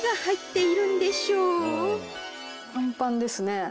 パンパンですね。